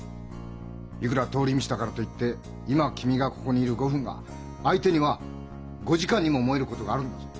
いくら通り道だからと言って今君がここにいる５分が相手には５時間にも思えることがあるんだぞ。